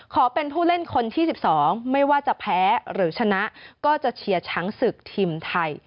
ขอเป็นผู้เล่นคนที่๑๒ไม่ว่าจะแพ้หรือชนะก็จะเชียร์ช้างศึกทีมไทย